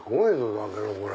だけどこれ。